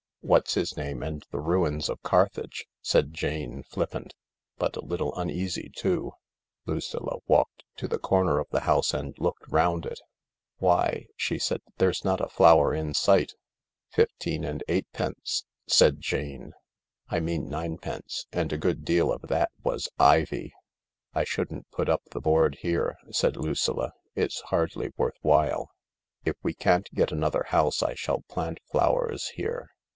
" What's his name and the ruins of Carthage," said Jane, flippant, but a little uneasy too, Lucilla walked to the corner of the house and looked round it, "Why," she said, "there's not a flower in sight I " "Fifteen and eightpence," said Jane— " I mean nine pence, and a good deal of that was ivy." " I shouldn't put up the board here," said Lucilla, "it's hardly worth while," "If we can't get another house I shall plant flowers here."